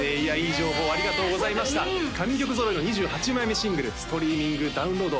情報ありがとうございました神曲揃いの２８枚目シングルストリーミングダウンロード